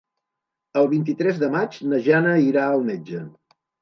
El vint-i-tres de maig na Jana irà al metge.